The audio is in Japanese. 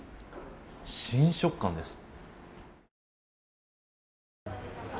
新食感です。